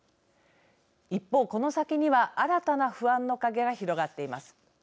一方、この先には新たな不安の影が広がっています。